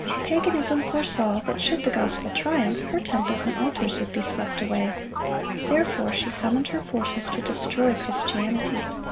Paganism foresaw that should the gospel triumph, her temples and altars would be swept away; therefore she summoned her forces to destroy Christianity.